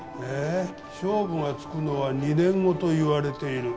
「勝負がつくのは２年後といわれている」